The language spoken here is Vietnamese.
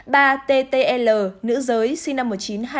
ba ttl nữ giới sinh năm một nghìn chín trăm hai mươi